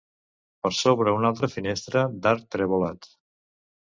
Per sobre una altra finestra d'arc trevolat.